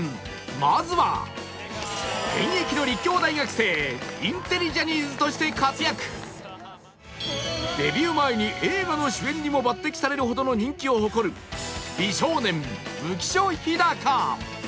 まずは現役の立教大学生インテリジャニーズとして活躍デビュー前に映画の主演にも抜擢されるほどの人気を誇る美少年浮所飛貴